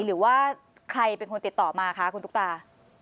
หรือว่าใครเป็นคนติดต่อมาคะคุณตุ๊กตา